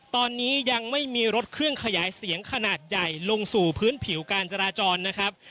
ตอนนี้ยังไม่มีรถเครื่องขยายเสียงขนาดใหญ่ลงสู่พื้นผิวการจราจรนะครับ